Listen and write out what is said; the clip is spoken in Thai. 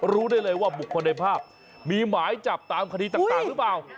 รู้ได้เลยว่าบุคคลในภาพมีหมายจับตามคดีต่างหรือเปล่า